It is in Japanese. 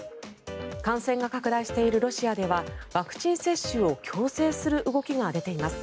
感染が拡大しているロシアではワクチン接種を強制する動きが出ています。